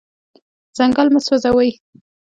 ځنګل مه سوځوئ.